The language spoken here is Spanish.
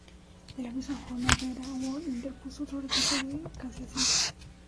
De la misma forma Herrera Ulloa interpuso otro recurso de casación.